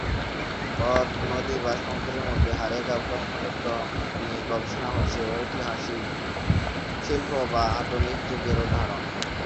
হ্রদ, নদী বা সমুদ্রের মধ্যে হারিয়ে যাওয়া প্রত্নতত্ত্ব নিয়ে গবেষণা হচ্ছে ঐতিহাসিক, শিল্প বা আধুনিক যুগের উদাহরণ।